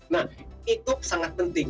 nah itu sangat penting